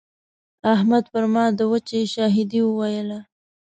احمد پر ما د وچې شاهدي وويله.